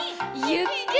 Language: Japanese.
「ゆっくり」